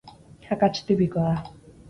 Akats tipikoa da.